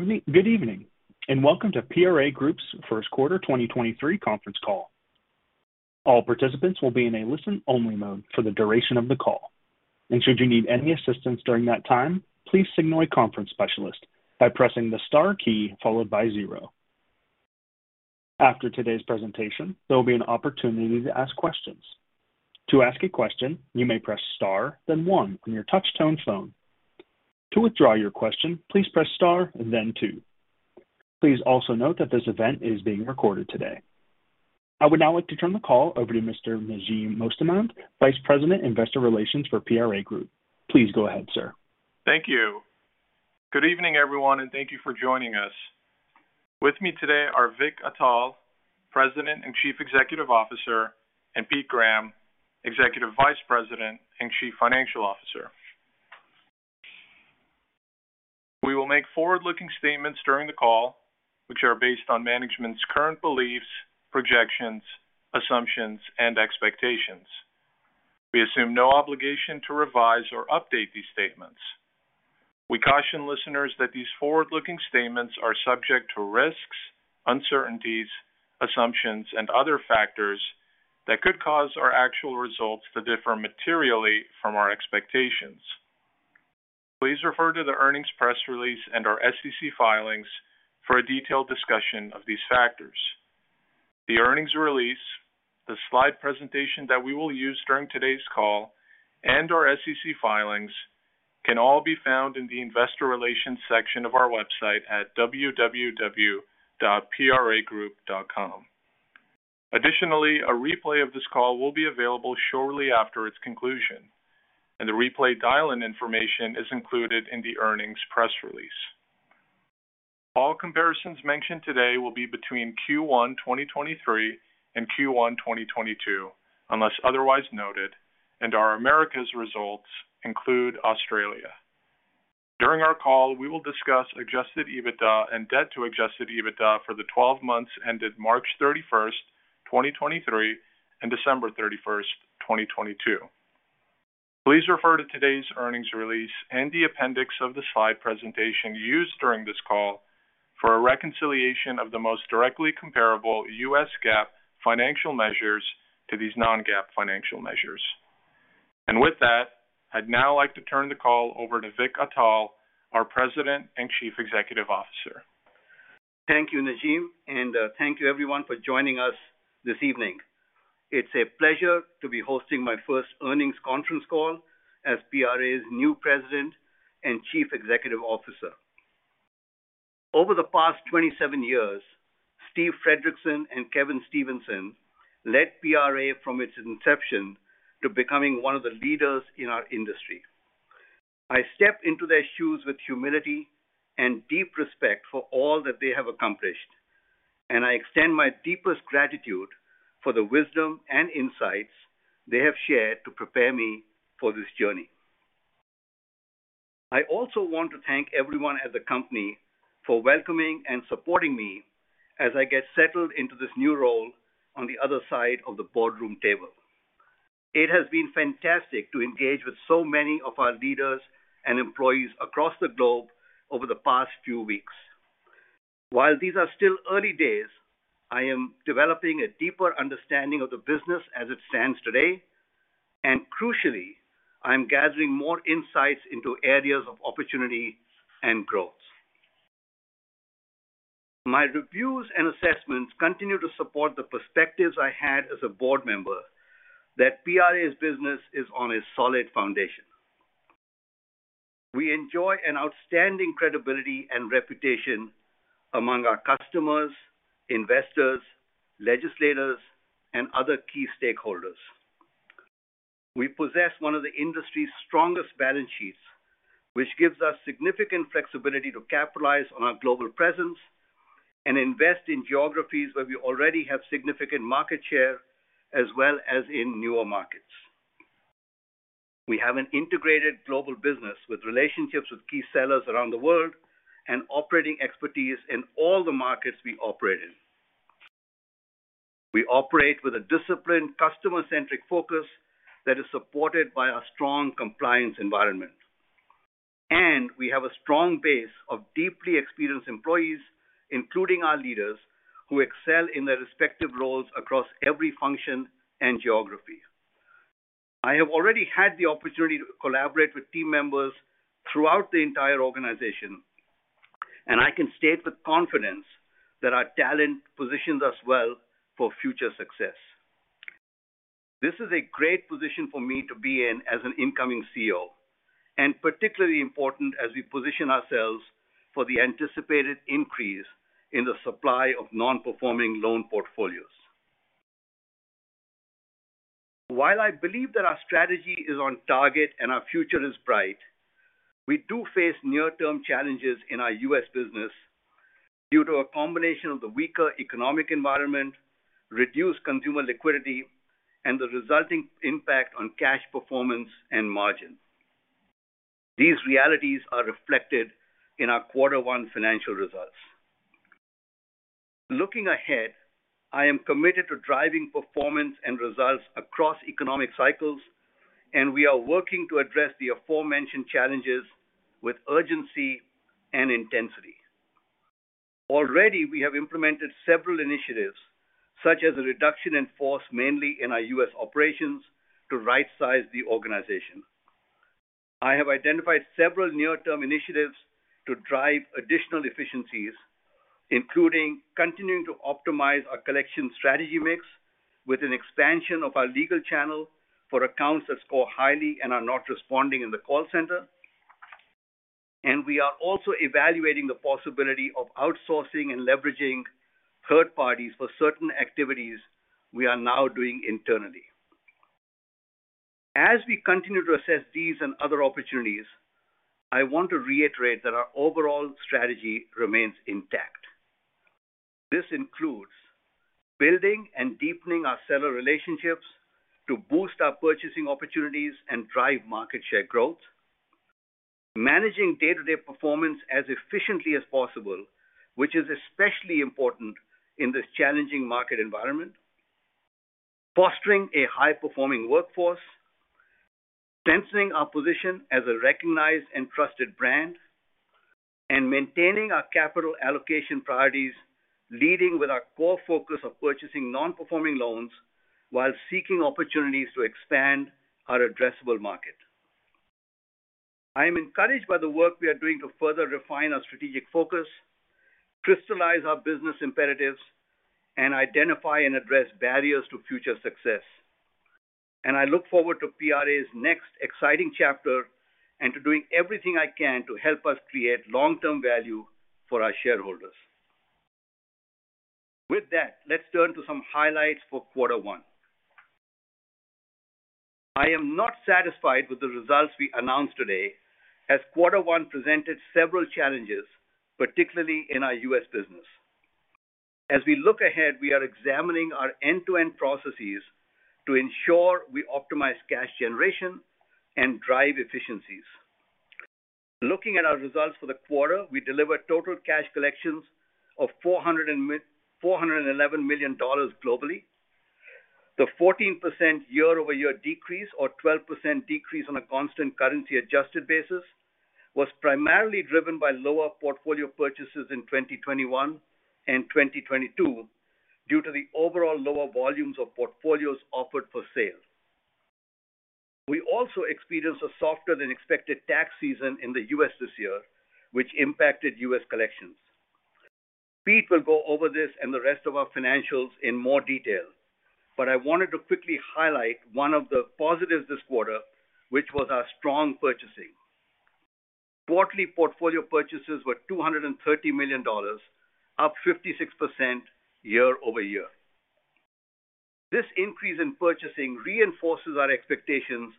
Good evening. Welcome to PRA Group's Q1 2023 Conference Call. All participants will be in a listen-only mode for the duration of the call. Should you need any assistance during that time, please signal a conference specialist by pressing the star key followed by zero. After today's presentation, there will be an opportunity to ask questions. To ask a question, you may press Star, then one on your touch-tone phone. To withdraw your question, please press Star, then two. Please also note that this event is being recorded today. I would now like to turn the call over to Mr. Najim Mostamand, Vice President, Investor Relations for PRA Group. Please go ahead, sir. Thank you. Good evening, everyone, and thank you for joining us. With me today are Vik Atal, President and Chief Executive Officer, and Pete Graham, Executive Vice President and Chief Financial Officer. We will make forward-looking statements during the call, which are based on management's current beliefs, projections, assumptions, and expectations. We assume no obligation to revise or update these statements. We caution listeners that these forward-looking statements are subject to risks, uncertainties, assumptions, and other factors that could cause our actual results to differ materially from our expectations. Please refer to the earnings press release and our SEC filings for a detailed discussion of these factors. The earnings release, the slide presentation that we will use during today's call, and our SEC filings can all be found in the Investor Relations section of our website at www.pragroup.com. Additionally, a replay of this call will be available shortly after its conclusion, and the replay dial-in information is included in the earnings press release. All comparisons mentioned today will be between Q1 2023 and Q1 2022, unless otherwise noted, and our Americas results include Australia. During our call, we will discuss Adjusted EBITDA and Debt to Adjusted EBITDA for the 12 months ended March 31st, 2023 and December 31st, 2022. Please refer to today's earnings release and the appendix of the slide presentation used during this call for a reconciliation of the most directly comparable U.S. GAAP financial measures to these non-GAAP financial measures. With that, I'd now like to turn the call over to Vik Atal, our President and Chief Executive Officer. Thank you, Najim, and thank you everyone for joining us this evening. It's a pleasure to be hosting my first earnings conference call as PRA's new President and Chief Executive Officer. Over the past 27 years, Steve Fredrickson and Kevin Stevenson led PRA from its inception to becoming one of the leaders in our industry. I step into their shoes with humility and deep respect for all that they have accomplished, and I extend my deepest gratitude for the wisdom and insights they have shared to prepare me for this journey. I also want to thank everyone at the company for welcoming and supporting me as I get settled into this new role on the other side of the boardroom table. It has been fantastic to engage with so many of our leaders and employees across the globe over the past few weeks. While these are still early days, I am developing a deeper understanding of the business as it stands today, and crucially, I'm gathering more insights into areas of opportunity and growth. My reviews and assessments continue to support the perspectives I had as a board member that PRA's business is on a solid foundation. We enjoy an outstanding credibility and reputation among our customers, investors, legislators, and other key stakeholders. We possess one of the industry's strongest balance sheets, which gives us significant flexibility to capitalize on our global presence and invest in geographies where we already have significant market share, as well as in newer markets. We have an integrated global business with relationships with key sellers around the world and operating expertise in all the markets we operate in. We operate with a disciplined customer-centric focus that is supported by a strong compliance environment. We have a strong base of deeply experienced employees, including our leaders, who excel in their respective roles across every function and geography. I have already had the opportunity to collaborate with team members throughout the entire organization, and I can state with confidence that our talent positions us well for future success. This is a great position for me to be in as an incoming CEO, and particularly important as we position ourselves for the anticipated increase in the supply of nonperforming loan portfolios. While I believe that our strategy is on target and our future is bright, we do face near-term challenges in our U.S. business due to a combination of the weaker economic environment, reduced consumer liquidity, and the resulting impact on cash performance and margin. These realities are reflected in our Q1 financial results. Looking ahead, I am committed to driving performance and results across economic cycles, and we are working to address the aforementioned challenges with urgency and intensity. Already, we have implemented several initiatives such as a reduction in force, mainly in our U.S. operations to right-size the organization. I have identified several near-term initiatives to drive additional efficiencies, including continuing to optimize our collection strategy mix with an expansion of our legal channel for accounts that score highly and are not responding in the call center. We are also evaluating the possibility of outsourcing and leveraging third parties for certain activities we are now doing internally. As we continue to assess these and other opportunities, I want to reiterate that our overall strategy remains intact. This includes building and deepening our seller relationships to boost our purchasing opportunities and drive market share growth. Managing day-to-day performance as efficiently as possible, which is especially important in this challenging market environment. Fostering a high-performing workforce. Strengthening our position as a recognized and trusted brand, maintaining our capital allocation priorities, leading with our core focus of purchasing nonperforming loans while seeking opportunities to expand our addressable market. I am encouraged by the work we are doing to further refine our strategic focus, crystallize our business imperatives, and identify and address barriers to future success. I look forward to PRA's next exciting chapter and to doing everything I can to help us create long-term value for our shareholders. With that, let's turn to some highlights for Q1. I am not satisfied with the results we announced today as Q1 presented several challenges, particularly in our U.S. business. As we look ahead, we are examining our end-to-end processes to ensure we optimize cash generation and drive efficiencies. Looking at our results for the quarter, we delivered total cash collections of $411 million globally. The 14% year-over-year decrease or 12% decrease on a constant currency adjusted basis was primarily driven by lower portfolio purchases in 2021 and 2022 due to the overall lower volumes of portfolios offered for sale. We also experienced a softer than expected tax season in the U.S. this year which impacted U.S. collections. Pete will go over this and the rest of our financials in more detail. I wanted to quickly highlight one of the positives this quarter which was our strong purchasing. Quarterly portfolio purchases were $230 million, up 56% year-over-year. This increase in purchasing reinforces our expectations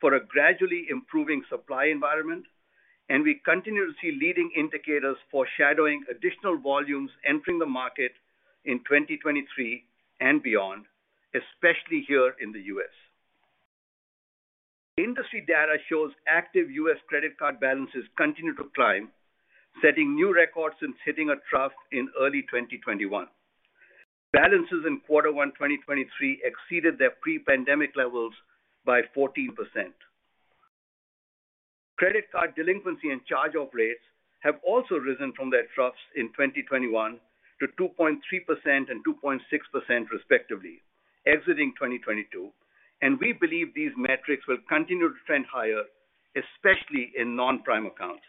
for a gradually improving supply environment. We continue to see leading indicators foreshadowing additional volumes entering the market in 2023 and beyond, especially here in the U.S. Industry data shows active U.S. credit card balances continue to climb, setting new records since hitting a trough in early 2021. Balances in Q1 2023 exceeded their pre-pandemic levels by 14%. Credit card delinquency and charge-off rates have also risen from their troughs in 2021 to 2.3% and 2.6% respectively exiting 2022. We believe these metrics will continue to trend higher, especially in non-prime accounts.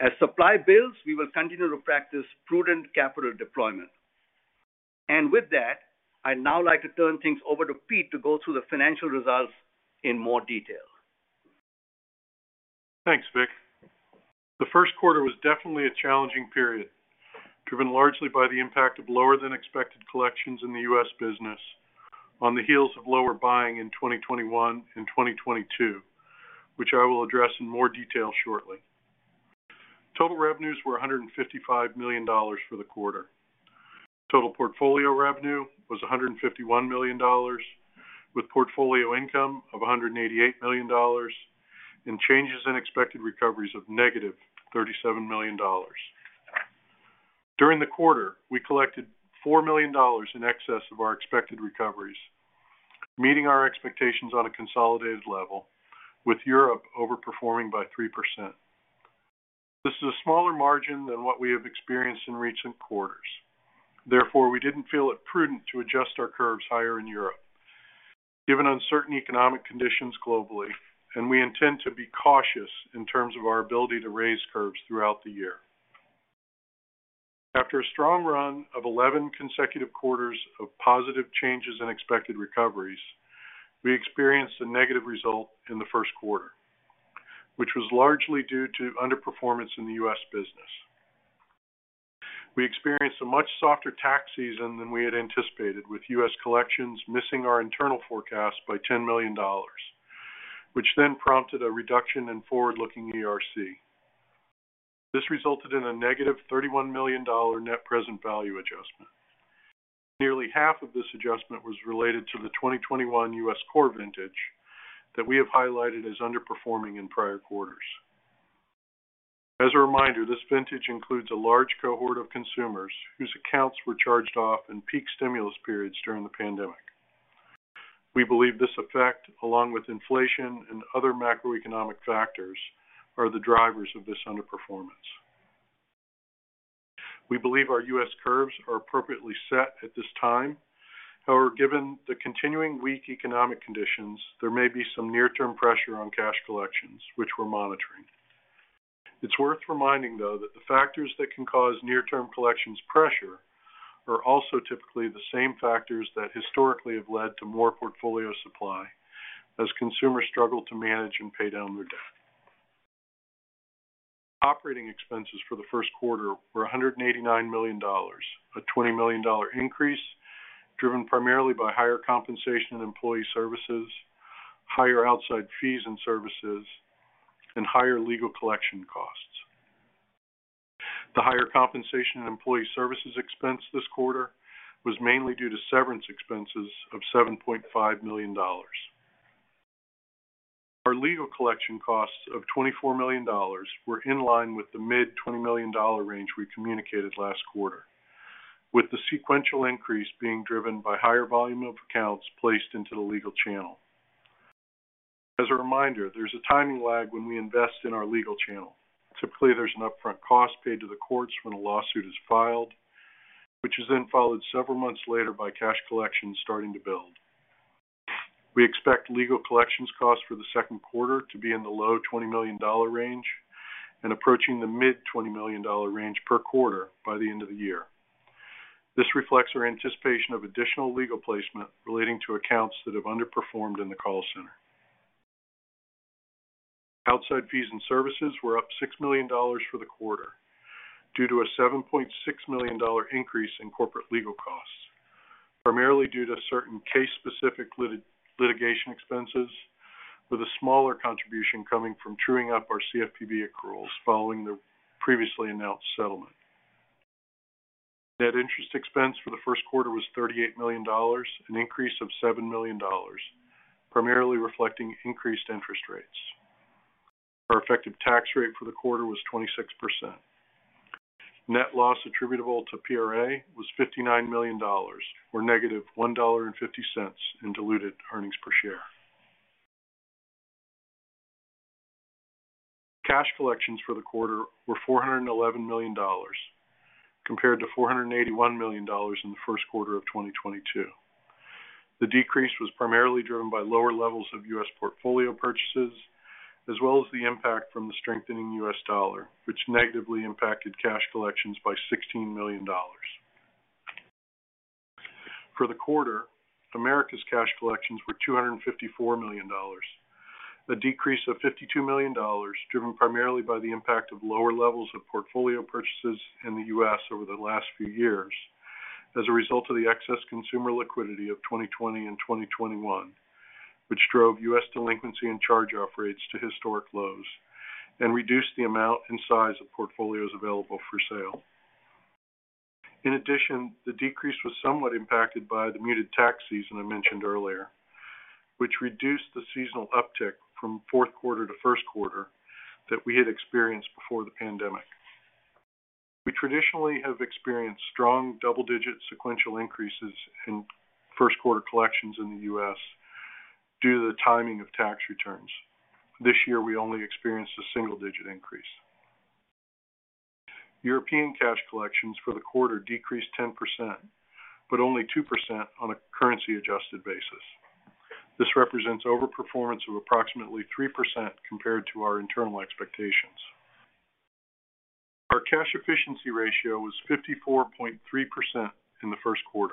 As supply builds, we will continue to practice prudent capital deployment. With that, I'd now like to turn things over to Pete to go through the financial results in more detail. Thanks, Vik. The Q1 was definitely a challenging period, driven largely by the impact of lower than expected collections in the U.S. business on the heels of lower buying in 2021 and 2022 which I will address in more detail shortly. Total revenues were $155 million for the quarter. Total portfolio revenue was $151 million with portfolio income of $188 million and changes in expected recoveries of -$37 million. During the quarter, we collected $4 million in excess of our expected recoveries, meeting our expectations on a consolidated level, with Europe over-performing by 3%. This is a smaller margin than what we have experienced in recent quarters. We didn't feel it prudent to adjust our curves higher in Europe given uncertain economic conditions globally, and we intend to be cautious in terms of our ability to raise curves throughout the year. After a strong run of 11 consecutive quarters of positive changes in expected recoveries, we experienced a negative result in the Q1 which was largely due to underperformance in the U.S. business. We experienced a much softer tax season than we had anticipated, with U.S. collections missing our internal forecast by $10 million which then prompted a reduction in forward-looking ERC. This resulted in a negative $31 million net present value adjustment. Nearly half of this adjustment was related to the 2021 U.S. core vintage that we have highlighted as underperforming in prior quarters. As a reminder, this vintage includes a large cohort of consumers whose accounts were charged off in peak stimulus periods during the pandemic. We believe this effect, along with inflation and other macroeconomic factors, are the drivers of this underperformance. We believe our U.S. curves are appropriately set at this time. Given the continuing weak economic conditions, there may be some near-term pressure on cash collections, which we're monitoring. It's worth reminding, though, that the factors that can cause near-term collections pressure are also typically the same factors that historically have led to more portfolio supply as consumers struggle to manage and pay down their debt. Operating expenses for the Q1 were $189 million, a $20 million increase, driven primarily by higher compensation and employee services, higher outside fees and services, and higher legal collection costs. The higher compensation and employee services expense this quarter was mainly due to severance expenses of $7.5 million. Our legal collection costs of $24 million were in line with the mid $20 million range we communicated last quarter, with the sequential increase being driven by higher volume of accounts placed into the legal channel. As a reminder, there's a timing lag when we invest in our legal channel. Typically, there's an upfront cost paid to the courts when a lawsuit is filed, which is then followed several months later by cash collections starting to build. We expect legal collections costs for the Q2 to be in the low $20 million range and approaching the mid $20 million range per quarter by the end of the year. This reflects our anticipation of additional legal placement relating to accounts that have underperformed in the call center. Outside fees and services were up $6 million for the quarter due to a $7.6 million increase in corporate legal costs, primarily due to certain case-specific litigation expenses, with a smaller contribution coming from truing up our CFPB accruals following the previously announced settlement. Net interest expense for the Q1 was $38 million, an increase of $7 million, primarily reflecting increased interest rates. Our effective tax rate for the quarter was 26%. Net loss attributable to PRA was $59 million, or -$1.50 in diluted earnings per share. Cash collections for the quarter were $411 million compared to $481 million in the Q1 of 2022. The decrease was primarily driven by lower levels of U.S. portfolio purchases, as well as the impact from the strengthening U.S. dollar, which negatively impacted cash collections by $16 million. For the quarter, America's cash collections were $254 million, a decrease of $52 million, driven primarily by the impact of lower levels of portfolio purchases in the U.S. over the last few years as a result of the excess consumer liquidity of 2020 and 2021, which drove U.S. delinquency and charge-off rates to historic lows and reduced the amount and size of portfolios available for sale. In addition, the decrease was somewhat impacted by the muted tax season I mentioned earlier, which reduced the seasonal uptick from Q4 to Q1 that we had experienced before the pandemic. We traditionally have experienced strong double-digit sequential increases in Q1 collections in the U.S. due to the timing of tax returns. This year, we only experienced a single-digit increase. European cash collections for the quarter decreased 10%, but only 2% on a currency-adjusted basis. This represents overperformance of approximately 3% compared to our internal expectations. Our cash efficiency ratio was 54.3% in the Q1.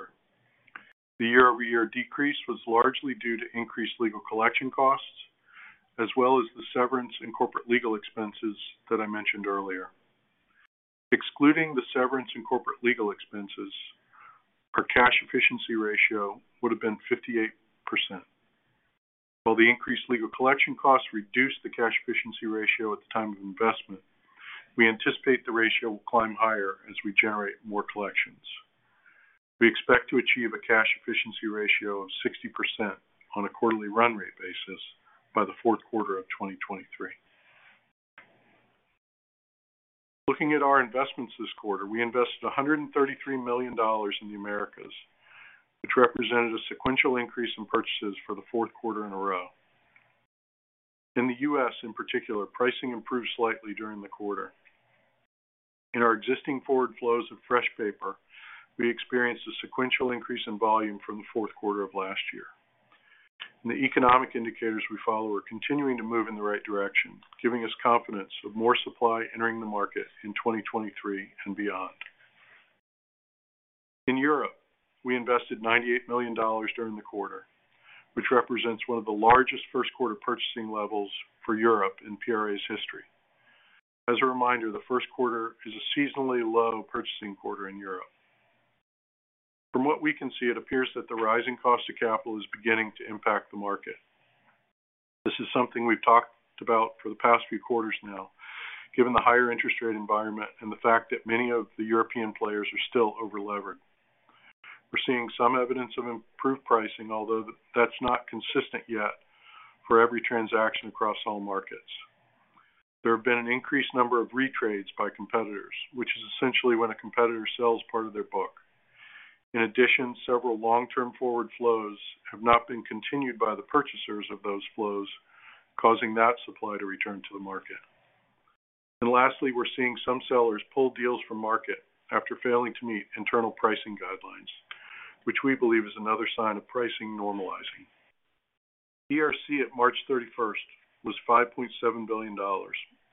The year-over-year decrease was largely due to increased legal collection costs as well as the severance and corporate legal expenses that I mentioned earlier. Excluding the severance and corporate legal expenses, our cash efficiency ratio would have been 58%. While the increased legal collection costs reduced the cash efficiency ratio at the time of investment, we anticipate the ratio will climb higher as we generate more collections. We expect to achieve a cash efficiency ratio of 60% on a quarterly run rate basis by the Q4 of 2023. Looking at our investments this quarter, we invested $133 million in the Americas, which represented a sequential increase in purchases for the Q4 in a row. In the U.S., in particular, pricing improved slightly during the quarter. In our existing forward flows of fresh paper, we experienced a sequential increase in volume from the Q4 of last year. The economic indicators we follow are continuing to move in the right direction, giving us confidence of more supply entering the market in 2023 and beyond. In Europe, we invested $98 million during the quarter, which represents one of the largest Q1 purchasing levels for Europe in PRA's history. As a reminder, the Q1 is a seasonally low purchasing quarter in Europe. From what we can see, it appears that the rising cost of capital is beginning to impact the market. This is something we've talked about for the past few quarters now, given the higher interest rate environment and the fact that many of the European players are still over-levered. We're seeing some evidence of improved pricing, although that's not consistent yet for every transaction across all markets. There have been an increased number of retrades by competitors, which is essentially when a competitor sells part of their book. In addition, several long-term forward flows have not been continued by the purchasers of those flows, causing that supply to return to the market. Lastly, we're seeing some sellers pull deals from market after failing to meet internal pricing guidelines, which we believe is another sign of pricing normalizing. ERC at March 31st was $5.7 billion,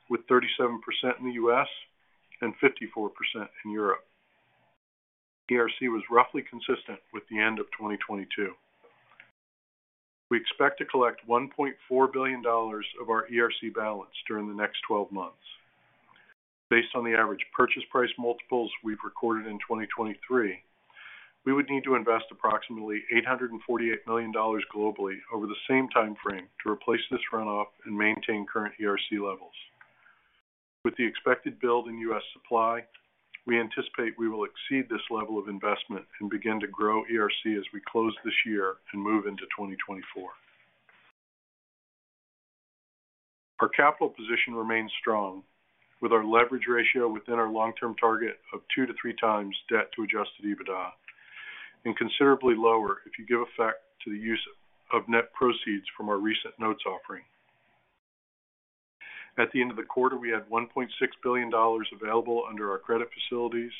with 37% in the U.S. and 54% in Europe. ERC was roughly consistent with the end of 2022. We expect to collect $1.4 billion of our ERC balance during the next 12 months. Based on the average purchase price multiples we've recorded in 2023, we would need to invest approximately $848 million globally over the same timeframe to replace this runoff and maintain current ERC levels. With the expected build in U.S. supply, we anticipate we will exceed this level of investment and begin to grow ERC as we close this year and move into 2024. Our capital position remains strong with our leverage ratio within our long-term target of 2-3x Debt to Adjusted EBITDA, considerably lower if you give effect to the use of net proceeds from our recent notes offering. At the end of the quarter, we had $1.6 billion available under our credit facilities,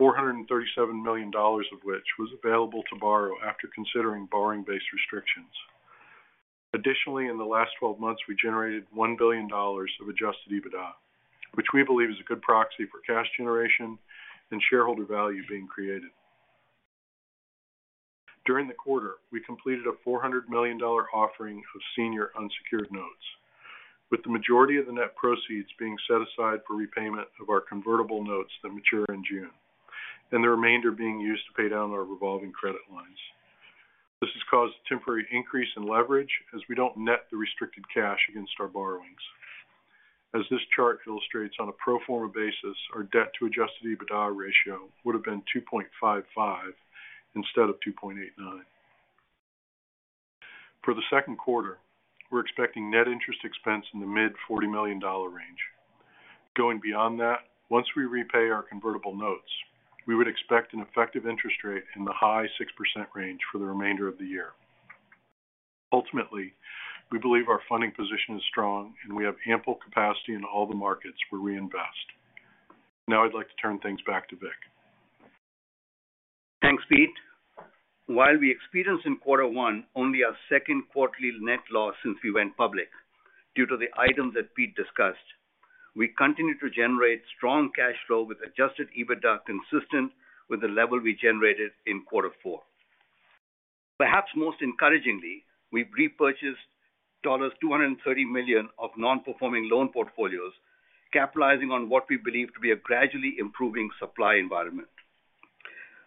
$437 million of which was available to borrow after considering borrowing base restrictions. In the last 12 months, we generated $1 billion of Adjusted EBITDA, which we believe is a good proxy for cash generation and shareholder value being created. During the quarter, we completed a $400 million offering of senior unsecured notes, with the majority of the net proceeds being set aside for repayment of our convertible notes that mature in June, the remainder being used to pay down our revolving credit lines. This has caused a temporary increase in leverage as we don't net the restricted cash against our borrowings. As this chart illustrates, on a pro forma basis, our Debt to Adjusted EBITDA ratio would have been 2.55 instead of 2.89. For the Q2, we're expecting net interest expense in the mid $40 million range. Going beyond that, once we repay our convertible notes, we would expect an effective interest rate in the high 6% range for the remainder of the year. Ultimately, we believe our funding position is strong, and we have ample capacity in all the markets where we invest. I'd like to turn things back to Vik. Thanks, Pete. While we experienced in Q1 only our Q2 net loss since we went public due to the items that Pete discussed, we continue to generate strong cash flow with Adjusted EBITDA consistent with the level we generated in Q4. Perhaps most encouragingly, we've repurchased $230 million of nonperforming loan portfolios, capitalizing on what we believe to be a gradually improving supply environment.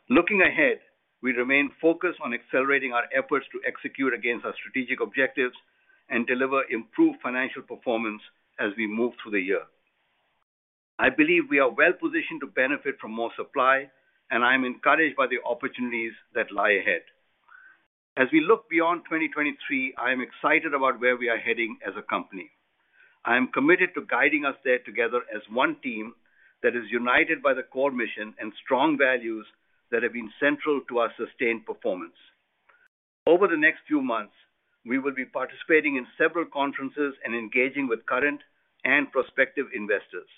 Looking ahead, we remain focused on accelerating our efforts to execute against our strategic objectives and deliver improved financial performance as we move through the year. I believe we are well-positioned to benefit from more supply, and I am encouraged by the opportunities that lie ahead. As we look beyond 2023, I am excited about where we are heading as a company. I am committed to guiding us there together as one team that is united by the core mission and strong values that have been central to our sustained performance. Over the next few months, we will be participating in several conferences and engaging with current and prospective investors.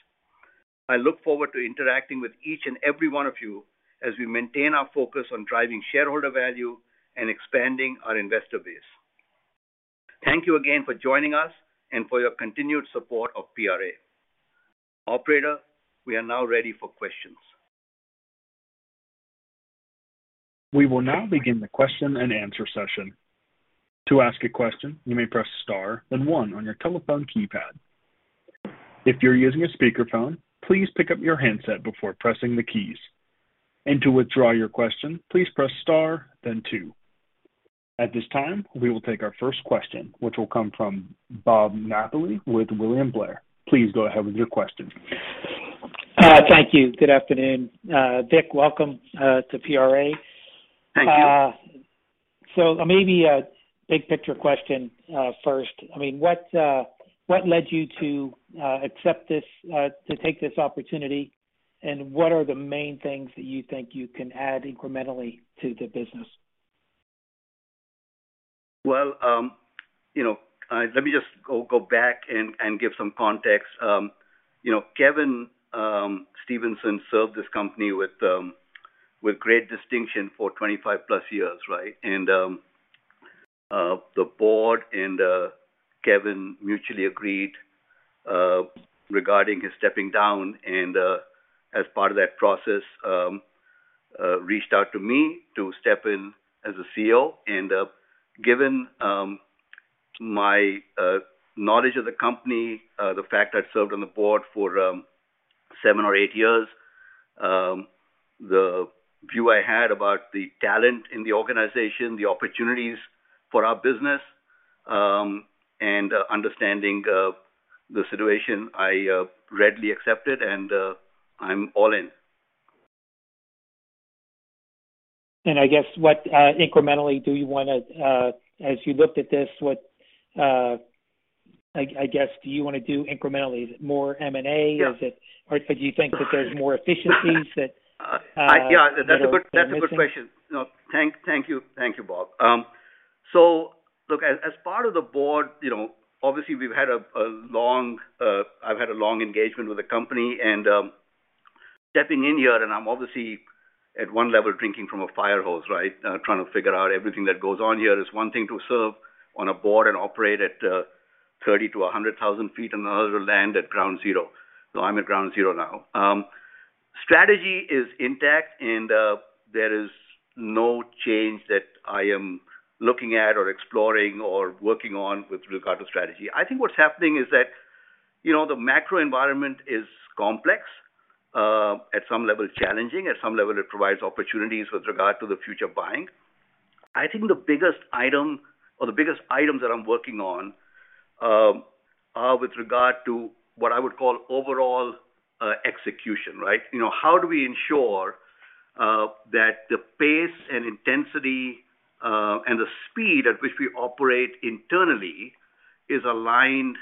I look forward to interacting with each and every one of you as we maintain our focus on driving shareholder value and expanding our investor base. Thank you again for joining us and for your continued support of PRA. Operator, we are now ready for questions. We will now begin the question and answer session. To ask a question, you may press star, then one on your telephone keypad. If you're using a speakerphone, please pick up your handset before pressing the keys. To withdraw your question, please press star, then two. At this time, we will take our first question, which will come from Bob Napoli with William Blair. Please go ahead with your question. Thank you. Good afternoon. Vik, welcome, to PRA. Thank you. Maybe a big picture question, first. I mean, what led you to, accept this, to take this opportunity? What are the main things that you think you can add incrementally to the business? Well, you know, let me just go back and give some context. You know, Kevin Stevenson served this company with great distinction for 25 plus years, right? The board and Kevin mutually agreed regarding his stepping down, and as part of that process, reached out to me to step in as a CEO. Given my knowledge of the company, the fact I'd served on the board for seven or eight years. The view I had about the talent in the organization, the opportunities for our business, and understanding of the situation, I readily accepted and I'm all in. I guess what incrementally do you wanna as you looked at this, what I guess, do you wanna do incrementally? Is it more M&A? Yeah. Do you think that there's more efficiencies that, you know, are missing? Yeah, that's a good question. No. Thank you. Thank you, Bob. Look, as part of the board, you know, obviously we've had a long, I've had a long engagement with the company and, stepping in here, and I'm obviously at one level drinking from a fire hose, right? Trying to figure out everything that goes on here. It's one thing to serve on a board and operate at 30 to 100,000 feet, and another to land at ground zero. I'm at ground zero now. Strategy is intact, and there is no change that I am looking at or exploring or working on with regard to strategy. I think what's happening is that, you know, the macro environment is complex, at some level challenging, at some level it provides opportunities with regard to the future buying. I think the biggest item or the biggest items that I'm working on, are with regard to what I would call overall execution, right? You know, how do we ensure that the pace and intensity, and the speed at which we operate internally is aligned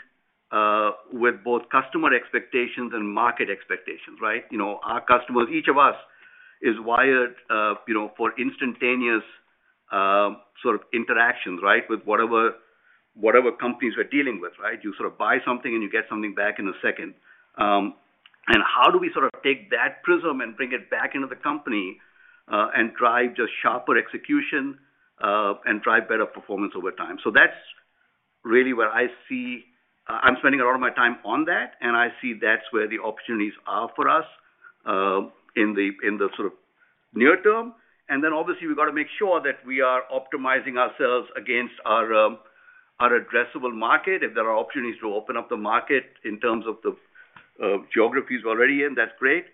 with both customer expectations and market expectations, right? You know, our customers, each of us is wired, you know, for instantaneous, sort of interactions, right? With whatever companies we're dealing with, right? You sort of buy something and you get something back in a second. How do we sort of take that prism and bring it back into the company and drive just sharper execution and drive better performance over time? That's really where I see I'm spending a lot of my time on that, and I see that's where the opportunities are for us in the sort of near term. Obviously we've got to make sure that we are optimizing ourselves against our addressable market. If there are opportunities to open up the market in terms of the geographies we're already in, that's great.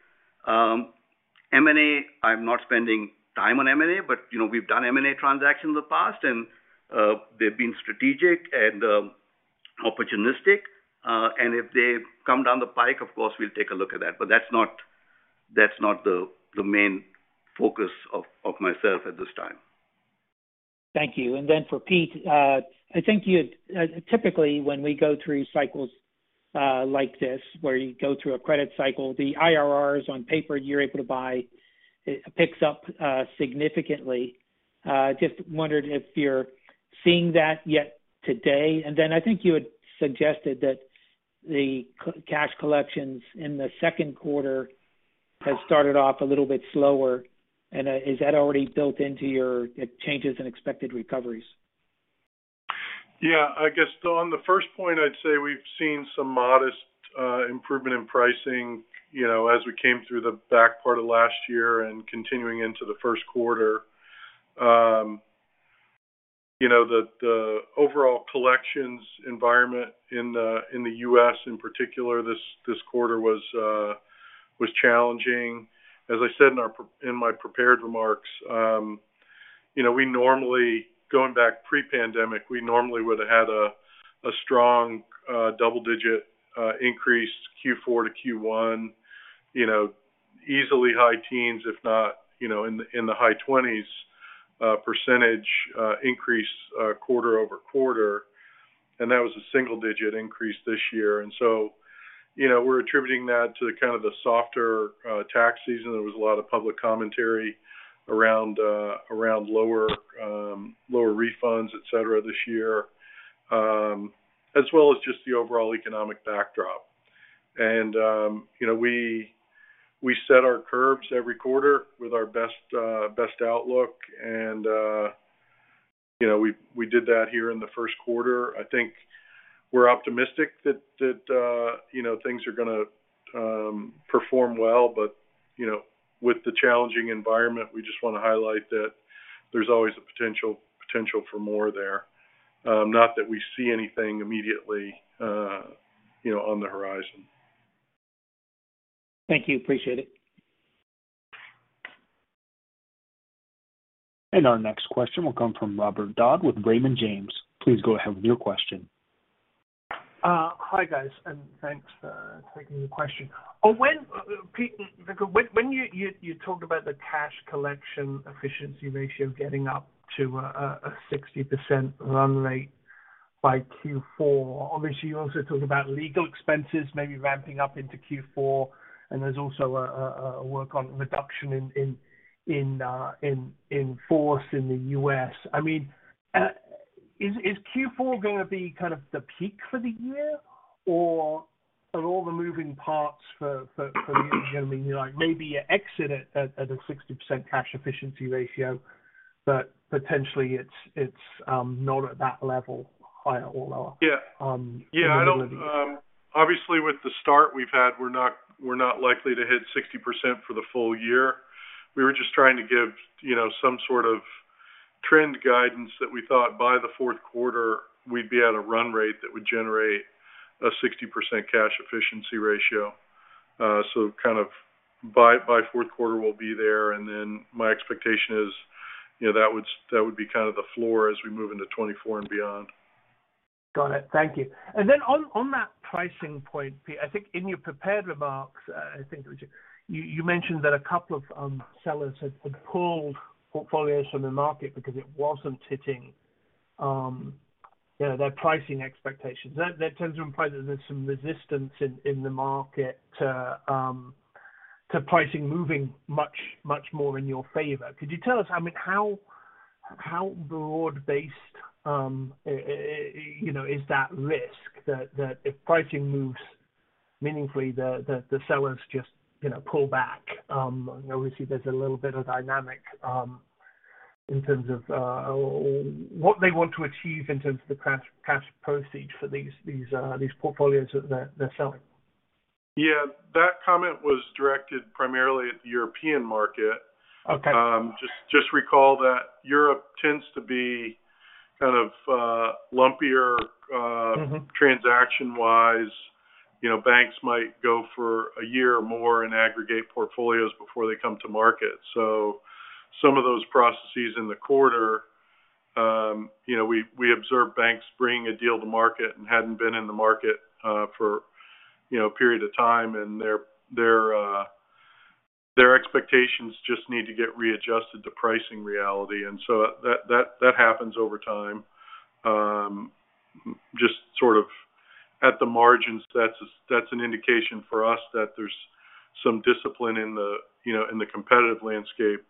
M&A, I'm not spending time on M&A, but you know, we've done M&A transactions in the past and they've been strategic and opportunistic. If they come down the pike, of course we'll take a look at that. That's not the main focus of myself at this time. Thank you. For Pete, I think you had typically when we go through cycles, like this, where you go through a credit cycle, the IRRs on paper you're able to buy, it picks up significantly. Just wondered if you're seeing that yet today? I think you had suggested that the cash collections in the Q2 has started off a little bit slower. Is that already built into your changes in expected recoveries? Yeah. I guess on the first point, I'd say we've seen some modest improvement in pricing, you know, as we came through the back part of last year and continuing into the Q1. You know, the overall collections environment in the U.S. in particular, this quarter was challenging. As I said in my prepared remarks, you know, we normally going back pre-pandemic, we normally would've had a strong double-digit increase Q4 to Q1. You know, easily high teens, if not, you know, in the high 20s % increase quarter-over-quarter. That was a single-digit increase this year. You know, we're attributing that to kind of the softer tax season. There was a lot of public commentary around around lower lower refunds, etc. this year, as well as just the overall economic backdrop. You know, we set our curves every quarter with our best best outlook and, you know, we did that here in the Q1. I think we're optimistic that, you know, things are gonna perform well. You know, with the challenging environment, we just wanna highlight that there's always a potential for more there. Not that we see anything immediately, you know, on the horizon. Thank you. Appreciate it. Our next question will come from Robert Dodd with Raymond James. Please go ahead with your question. Hi, guys, and thanks for taking the question. Pete, when you, you talked about the cash collection efficiency ratio getting up to a, 60% run rate by Q4, obviously you also talk about legal expenses maybe ramping up into Q4, and there's also a work on reduction in force in the U.S. I mean is Q4 gonna be kind of the peak for the year or are all the moving parts for you gonna be like maybe you exit at, a sixty percent cash efficiency ratio, but potentially it's not at that level, higher or lower? Yeah. I don't, obviously with the start we've had, we're not likely to hit 60% for the full year. We were just trying to give, you know, some sort of trend guidance that we thought by the Q4 we'd be at a run rate that would generate a 60% cash efficiency ratio. kind of by Q4 we'll be there. My expectation is, you know, that would, that would be kind of the floor as we move into 2024 and beyond. Got it. Thank you. On that pricing point, Pete, I think in your prepared remarks, I think it was you mentioned that a couple of sellers had pulled portfolios from the market because it wasn't hitting, you know, their pricing expectations. That tends to imply that there's some resistance in the market to pricing moving much more in your favor. Could you tell us, I mean, how broad-based, you know, is that risk that if pricing moves meaningfully the sellers just, you know, pull back? You know, obviously there's a little bit of dynamic in terms of what they want to achieve in terms of the cash proceeds for these portfolios that they're selling. Yeah. That comment was directed primarily at the European market. Okay. just recall that Europe tends to be kind of, lumpier transaction-wise. You know, banks might go for a year or more in aggregate portfolios before they come to market. Some of those processes in the quarter, you know, we observed banks bringing a deal to market and hadn't been in the market for, you know, a period of time, and their, their expectations just need to get readjusted to pricing reality. That happens over time. Just sort of at the margins, that's an indication for us that there's some discipline in the, you know, in the competitive landscape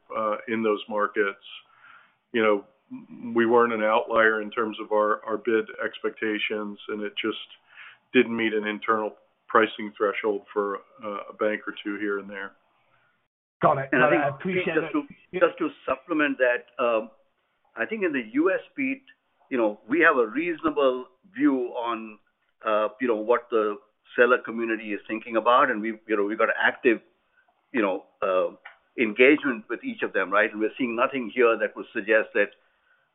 in those markets. You know, we weren't an outlier in terms of our bid expectations, and it just didn't meet an internal pricing threshold for a bank or two here and there. Got it. I appreciate that- I think just to supplement that, I think in the U.S., Pete, you know, we have a reasonable view on, you know, what the seller community is thinking about, and we've, you know, we've got active, you know, engagement with each of them, right? We're seeing nothing here that would suggest that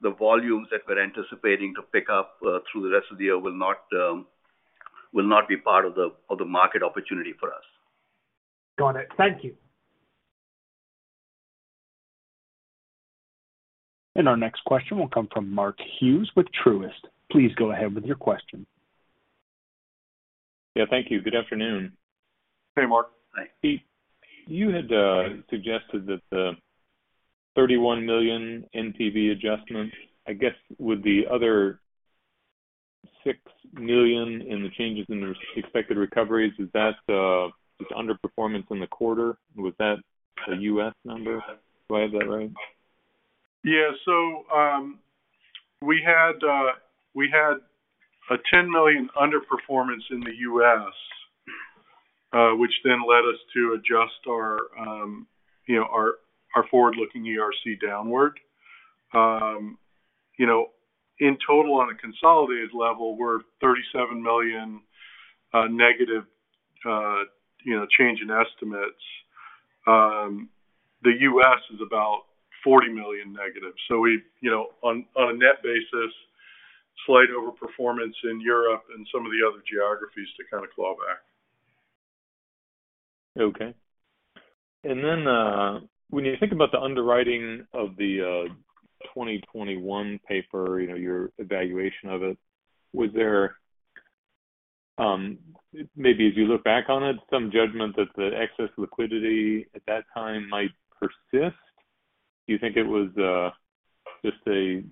the volumes that we're anticipating to pick up through the rest of the year will not be part of the market opportunity for us. Got it. Thank you. Our next question will come from Mark Hughes with Truist. Please go ahead with your question. Thank you. Good afternoon. Hey, Mark. Hi. Pete, you had suggested that the $31 million NPV adjustment, I guess with the other $6 million in the changes in the expected recoveries, is that just underperformance in the quarter? Was that a U.S. number? Do I have that right? Yeah. We had a $10 million underperformance in the U.S., which led us to adjust our, you know, our forward-looking ERC downward. You know, in total on a consolidated level, we're $37 million negative, you know, change in estimates. The U.S. is about $40 million negative. You know, on a net basis, slight overperformance in Europe and some of the other geographies to kind of claw back. Okay. When you think about the underwriting of the, 2021 paper, you know, your evaluation of it, was there, maybe as you look back on it, some judgment that the excess liquidity at that time might persist? Do you think it was, just a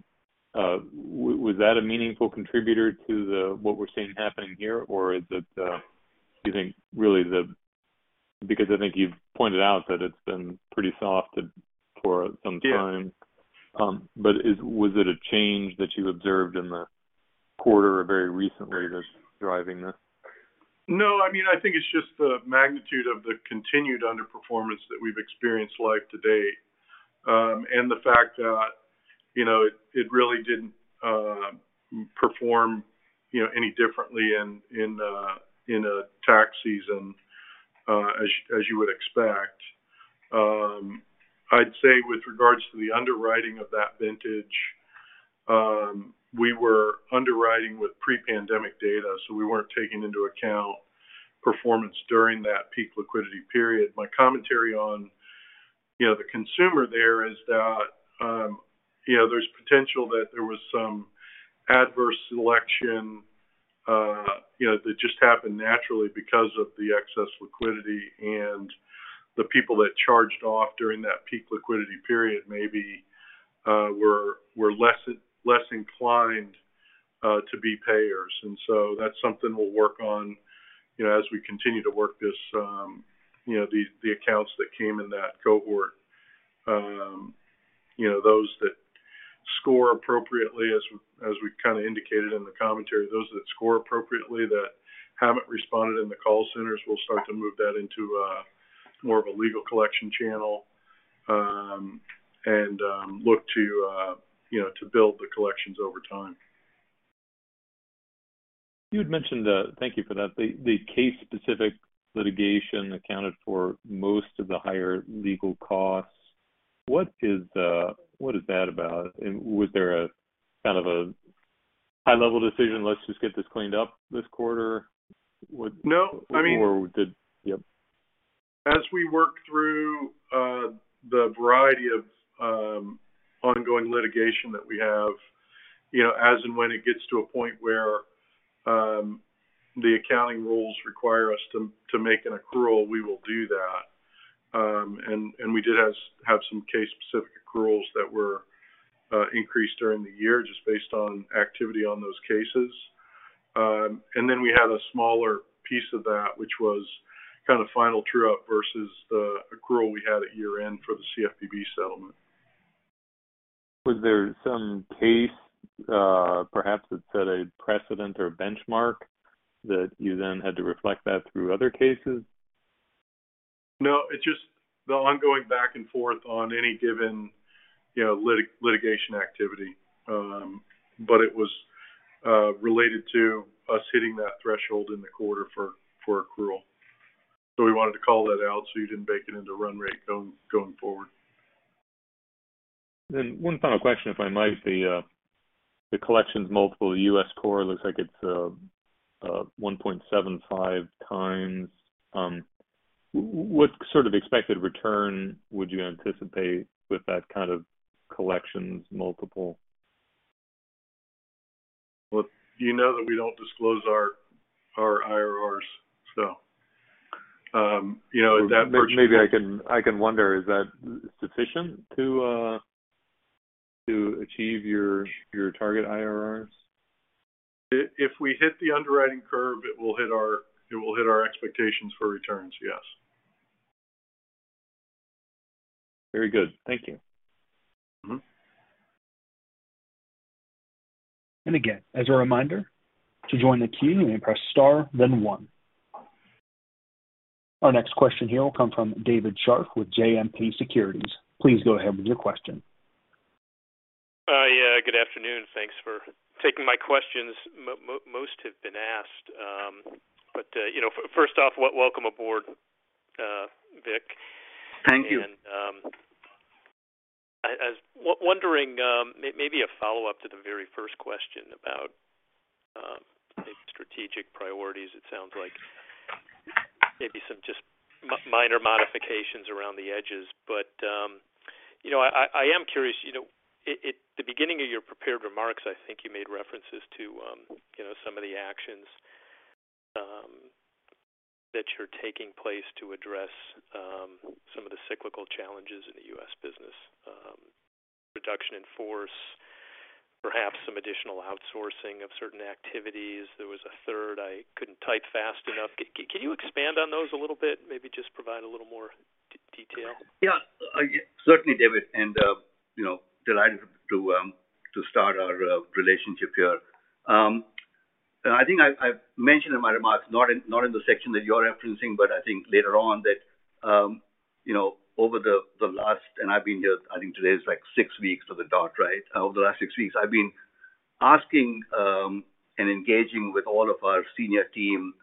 with that a meaningful contributor to the, what we're seeing happening here? Is it, do you think really the, because I think you've pointed out that it's been pretty soft for some time. Yeah. Was it a change that you observed in the quarter or very recently that's driving this? No. I mean, I think it's just the magnitude of the continued underperformance that we've experienced life to date. The fact that, you know, it really didn't perform, you know, any differently in a tax season, as you would expect. I'd say with regards to the underwriting of that vintage, we were underwriting with pre-pandemic data. We weren't taking into account performance during that peak liquidity period. My commentary on, you know, the consumer there is that, you know, there's potential that there was some adverse selection, you know, that just happened naturally because of the excess liquidity and the people that charged off during that peak liquidity period maybe were less inclined to be payers. That's something we'll work on, you know, as we continue to work this, you know, the accounts that came in that cohort. You know, those that score appropriately as we, as we kind of indicated in the commentary, those that score appropriately that haven't responded in the call centers, we'll start to move that into, more of a legal collection channel, and, look to, you know, to build the collections over time. You had mentioned, thank you for that. The case-specific litigation accounted for most of the higher legal costs. What is that about? Was there a kind of a high-level decision, "Let's just get this cleaned up this quarter? No. Did? Yep. As we work through the variety of ongoing litigation that we have, you know, as and when it gets to a point where the accounting rules require us to make an accrual, we will do that. We did have some case-specific accruals that were increased during the year just based on activity on those cases. We had a smaller piece of that, which was kind of final true-up versus the accrual we had at year-end for the CFPB settlement. Was there some case, perhaps that set a precedent or a benchmark that you then had to reflect that through other cases? It's just the ongoing back and forth on any given, you know, litigation activity. It was related to us hitting that threshold in the quarter for accrual. We wanted to call that out so you didn't bake it into run rate going forward. One final question, if I might. The collections multiple U.S. core looks like it's 1.75x. What sort of expected return would you anticipate with that kind of collections multiple? Well, you know that we don't disclose our IRRs so. you know, at that point. Maybe I can wonder, is that sufficient to achieve your target IRRs? If we hit the underwriting curve, it will hit our expectations for returns, yes. Very good. Thank you. Again, as a reminder, to join the queue, you may press star then one. Our next question here will come from David Scharf with JMP Securities. Please go ahead with your question. Yeah, good afternoon. Thanks for taking my questions. most have been asked. You know, first off, welcome aboard, Vik. Thank you. I was wondering, maybe a follow-up to the very first question about strategic priorities? It sounds like maybe some just minor modifications around the edges. You know, I am curious, you know, at the beginning of your prepared remarks, I think you made references to, you know, some of the actions that you're taking place to address some of the cyclical challenges in the U.S. business, reduction in force, perhaps some additional outsourcing of certain activities. There was a third I couldn't type fast enough. Can you expand on those a little bit? Maybe just provide a little more detail. Yeah. Certainly, David, you know, delighted to start our relationship here. I think I mentioned in my remarks, not in the section that you're referencing, but I think later on that. I've been here, I think today is, like, six weeks to the dot, right? Over the last six weeks, I've been asking, and engaging with all of our senior team,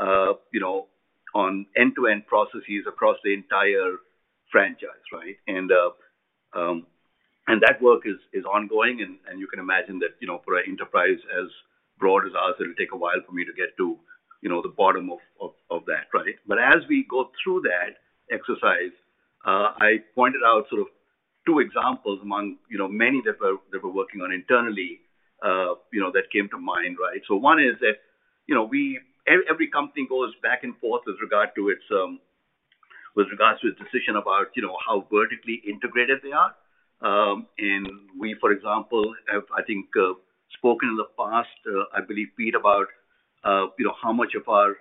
you know, on end-to-end processes across the entire franchise, right? That work is ongoing, you can imagine that, you know, for an enterprise as broad as ours, it'll take a while for me to get to, you know, the bottom of that, right? As we go through that exercise, I pointed out sort of two examples among, you know, many that we're working on internally, you know, that came to mind, right? One is that, you know, every company goes back and forth with regard to its, with regards to its decision about, you know, how vertically integrated they are. We, for example, have, I think, spoken in the past, I believe, Pete, about, you know, how much of our,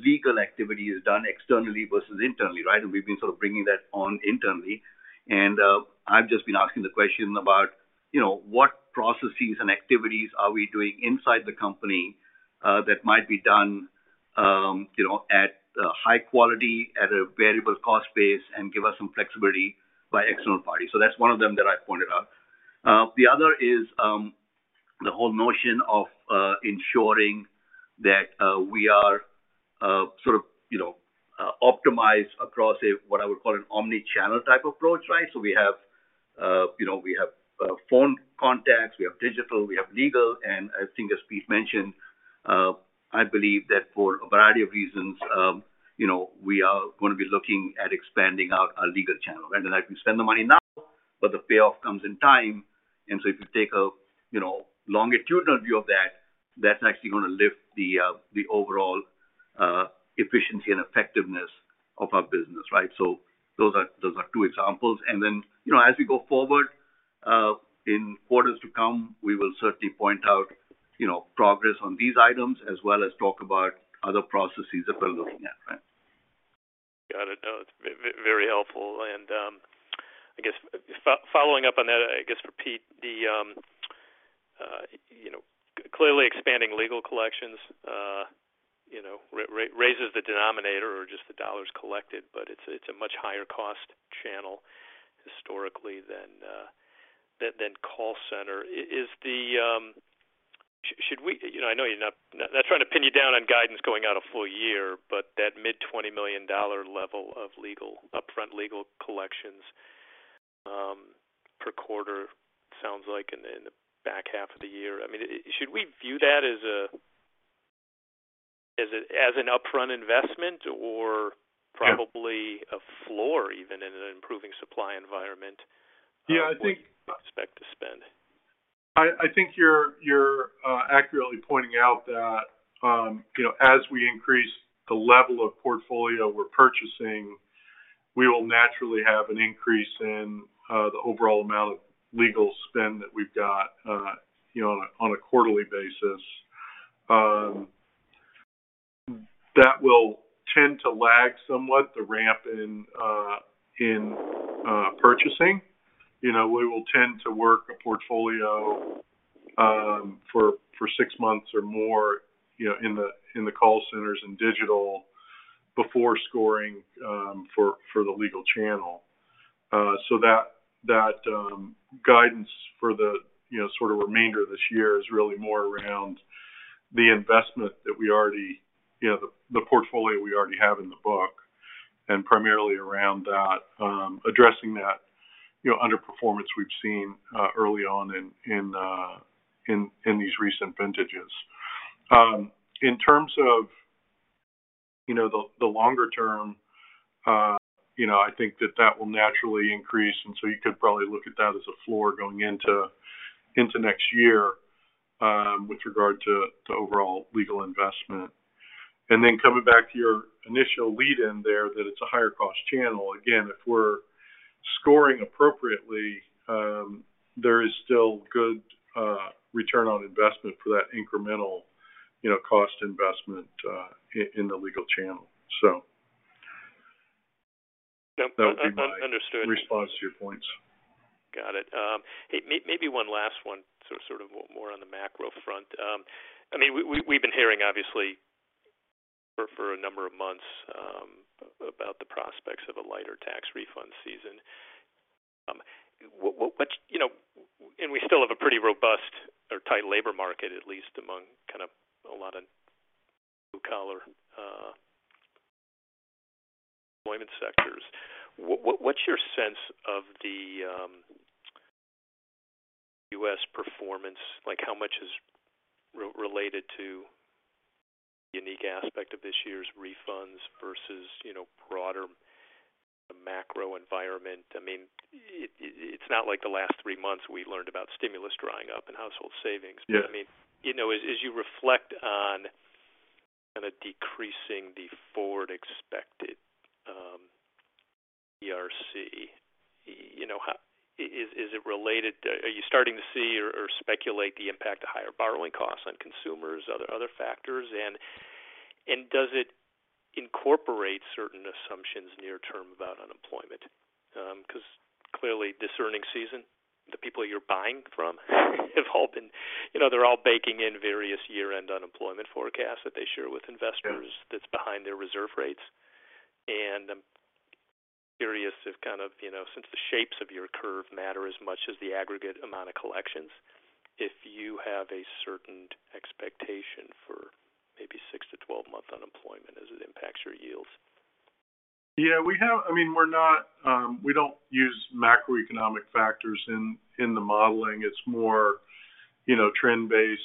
legal activity is done externally versus internally, right? We've been sort of bringing that on internally. I've just been asking the question about, you know, what processes and activities are we doing inside the company that might be done, you know, at high quality at a variable cost base and give us some flexibility by external parties. That's one of them that I pointed out. The other is the whole notion of ensuring that we are, sort of, you know, optimized across what I would call an omni-channel type approach, right? We have, you know, we have phone contacts, we have digital, we have legal. I think as Pete mentioned, I believe that for a variety of reasons, you know, we are gonna be looking at expanding out our legal channel. Then I can spend the money now, but the payoff comes in time. If you take a, you know, longitudinal view of that's actually gonna lift the overall efficiency and effectiveness of our business, right? Those are two examples. Then, you know, as we go forward, in quarters to come, we will certainly point out, you know, progress on these items as well as talk about other processes that we're looking at, right? Got it. No, it's very helpful. I guess following up on that, I guess for Pete, the, you know, clearly expanding legal collections. You know, raises the denominator or just the dollars collected, but it's a much higher cost channel historically than call center. Is the, Should we, You know, I know you're not trying to pin you down on guidance going out a full year, but that mid $20 million level of legal upfront legal collections per quarter sounds like in the back half of the year. I mean, should we view that as an upfront investment? Yeah. probably a floor even in an improving supply environment? Yeah. I think expect to spend. I think you're accurately pointing out that, you know, as we increase the level of portfolio we're purchasing, we will naturally have an increase in the overall amount of legal spend that we've got, you know, on a quarterly basis. That will tend to lag somewhat the ramp in purchasing. You know, we will tend to work a portfolio for six months or more, you know, in the call centers and digital before scoring for the legal channel. That guidance for the, you know, sort of remainder this year is really more around the investment that we already, you know, the portfolio we already have in the book, and primarily around that, addressing that, you know, underperformance we've seen early on in these recent vintages. In terms of, you know, the longer term, you know, I think that will naturally increase. You could probably look at that as a floor going into next year with regard to overall legal investment. Then coming back to your initial lead in there, that it's a higher cost channel. Again, if we're scoring appropriately, there is still good return on investment for that incremental, you know, cost investment in the legal channel, so. Yep. Understood. That would be my response to your points. Got it. Hey, maybe one last one, so sort of more on the macro front. I mean, we've been hearing obviously for a number of months, about the prospects of a lighter tax refund season. You know, we still have a pretty robust or tight labor market, at least among kind of a lot of blue collar employment sectors. What's your sense of the U.S. performance? Like, how much is related to unique aspect of this year's refunds versus, you know, broader macro environment? I mean, it's not like the last three months we learned about stimulus drying up and household savings. Yeah. I mean, you know, as you reflect on kind of decreasing the forward expected ERC, is it related to? Are you starting to see or speculate the impact of higher borrowing costs on consumers, other factors? Does it incorporate certain assumptions near term about unemployment? 'Cause clearly this earning season, the people you're buying from have all been, you know, they're all baking in various year-end unemployment forecasts that they share with investors. Yeah. that's behind their reserve rates. I'm curious if kind of, you know, since the shapes of your curve matter as much as the aggregate amount of collections, if you have a certain expectation for maybe six to 12 month unemployment as it impacts your yields. I mean, we're not, we don't use macroeconomic factors in the modeling. It's more, you know, trend-based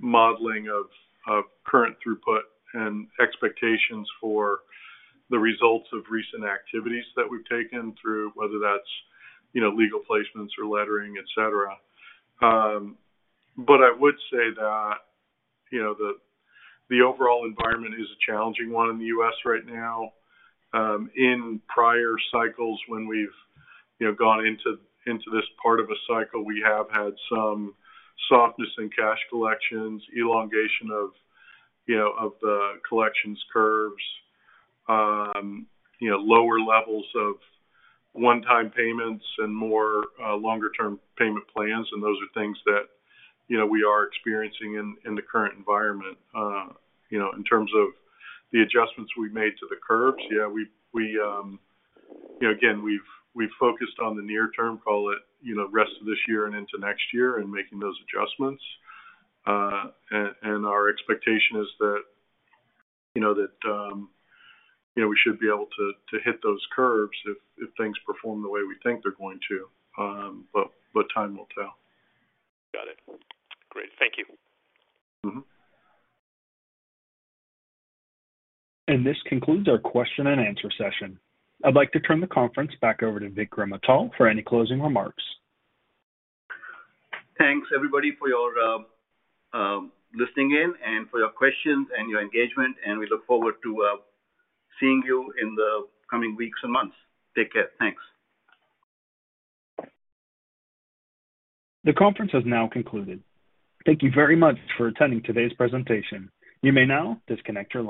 modeling of current throughput and expectations for the results of recent activities that we've taken through, whether that's, you know, legal placements or lettering, et cetera. I would say that, you know, the overall environment is a challenging one in the U.S. right now. In prior cycles, when we've, you know, gone into this part of a cycle, we have had some softness in cash collections, elongation of, you know, the collections curves, you know, lower levels of one-time payments and more longer-term payment plans, and those are things that, you know, we are experiencing in the current environment. You know, in terms of the adjustments we've made to the curves, yeah, we, you know, again, we've focused on the near term, call it, you know, rest of this year and into next year and making those adjustments. Our expectation is that, you know, that, you know, we should be able to hit those curves if things perform the way we think they're going to, but time will tell. Got it. Great. Thank you. This concludes our question and answer session. I'd like to turn the conference back over to Vikram Atal for any closing remarks. Thanks everybody for your listening in and for your questions and your engagement. We look forward to seeing you in the coming weeks and months. Take care. Thanks. The conference has now concluded. Thank you very much for attending today's presentation. You may now disconnect your line.